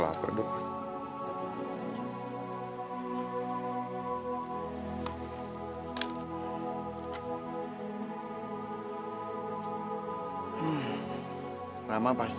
rama pasti tidak bisa makan karena membuat ratu